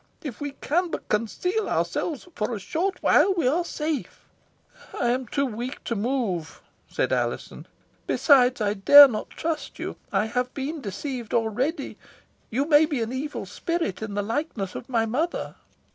If we can but conceal ourselves for a short while, we are safe." "I am too weak to move," said Alizon; "besides, I dare not trust you. I have been deceived already. You may be an evil spirit in the likeness of my mother."